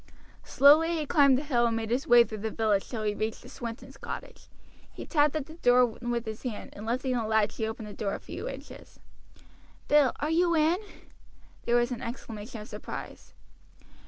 Slowly he climbed the hill and made his way through the village till he reached the Swintons' cottage. He tapped at the door with his hand, and lifting the latch he opened the door a few inches. "Bill, are you in?" There was an exclamation of surprise.